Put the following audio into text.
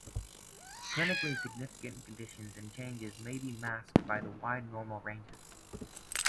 Clinically significant conditions and changes may be masked by the wide normal ranges.